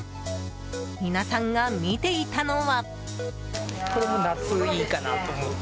皆さんが見ていたのは。